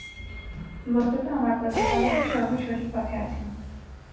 বস্তুত আমার প্রতিপালকই সরল সঠিক পথে আছেন।